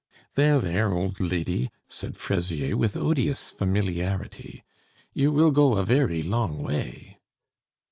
"There, there, old lady," said Fraisier, with odious familiarity, "you will go a very long way!